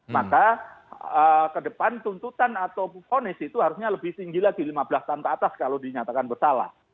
maka ke depan tuntutan atau ponis itu harusnya lebih tinggi lagi lima belas tahun ke atas kalau dinyatakan bersalah